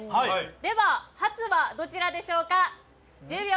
では、ハツはどちらでしょうか？